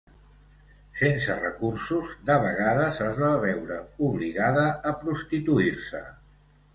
Sense recursos, de vegades es va veure obligada a prostituir-se.